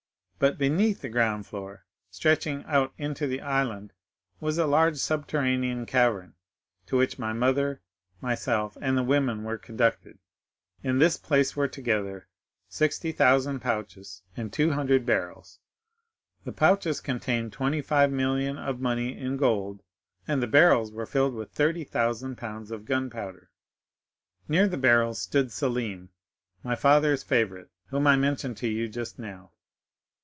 But beneath the ground floor, stretching out into the island, was a large subterranean cavern, to which my mother, myself, and the women were conducted. In this place were together 60,000 pouches and 200 barrels; the pouches contained 25,000,000 of money in gold, and the barrels were filled with 30,000 pounds of gunpowder. "Near the barrels stood Selim, my father's favorite, whom I mentioned to you just now.